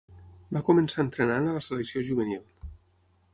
Va començar entrenant a la selecció juvenil.